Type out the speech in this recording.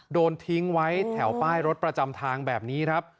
โดนทิ้งไว้แถวป้ายรถประจำทางแบบนี้ครับ